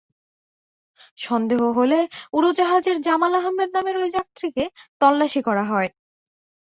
সন্দেহ হলে উড়োজাহাজের জামাল আহম্মেদ নামের ওই যাত্রীকে তল্লাশি করা হয়।